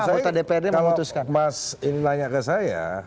kalau saya kalau mas ini nanya ke saya